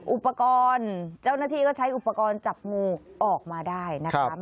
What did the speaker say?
อุปกรณ์เจ้าหน้าที่ก็ใช้อุปกรณ์จับงูออกมาได้นะคะ